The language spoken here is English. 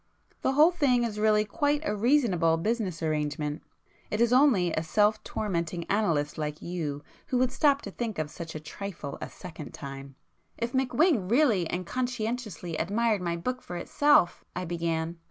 The whole thing is really quite a reasonable business arrangement;—it is only a self tormenting analyst like you who would stop to think of such a trifle a second time." "If McWhing really and conscientiously admired my book for itself;" I began.